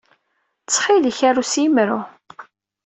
Ttxil-k, aru s yemru.